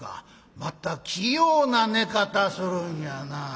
まったく器用な寝方するんやなあ。